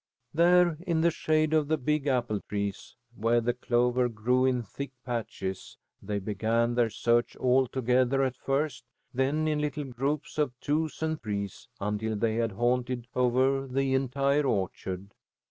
There in the shade of the big apple trees, where the clover grew in thick patches, they began their search; all together at first, then in little groups of twos and threes, until they had hunted over the entire orchard.